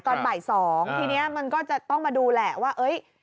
ตอนบ่าย๒ทีนี้มันก็จะต้องมาดูแหละว่าเอ้ย